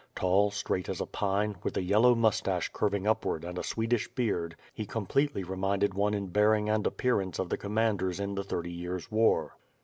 Tall, straight as a pine, with a yellow moustache curving upward and a Swedish beard, he completely reminded one in bearing and appearance of the commanders in the Thirty Years' War.